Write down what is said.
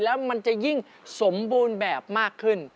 แล้วมันจะยิ่งสมบูรณ์แบบมากขึ้น